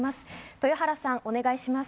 豊原さん、お願いします。